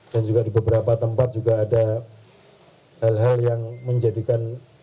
dan juga di beberapa tempat juga ada hal hal yang menjadikan